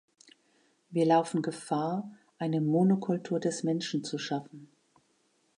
Wir laufen Gefahr, eine "Monokultur des Menschen" zu schaffen.